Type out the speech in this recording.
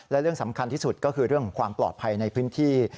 และเรื่องสำคัญที่สุดก็คือเรื่องของความปลอดภัยในพื้นที่